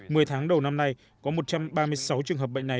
my tháng đầu năm nay có một trăm ba mươi sáu trường hợp bệnh này